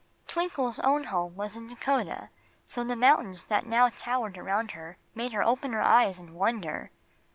Twinkle's own home was in Dakota, so the mountains that now towered around her made her open her eyes in wonder.